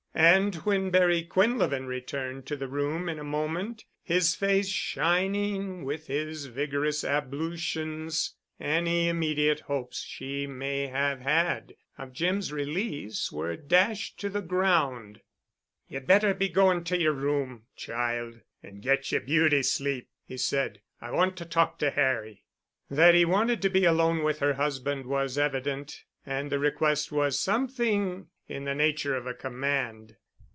And when Barry Quinlevin returned to the room in a moment, his face shining with his vigorous ablutions, any immediate hopes she may have had of Jim's release were dashed to the ground. "Ye'd better be going to yer room, child, and get yer beauty sleep," he said. "I want to talk to Harry." That he wanted to be alone with her husband was evident, and the request was something in the nature of a command.